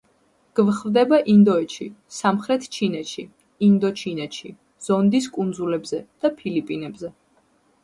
გვხვდება ინდოეთში, სამხრეთ ჩინეთში, ინდოჩინეთში, ზონდის კუნძულებზე და ფილიპინებზე.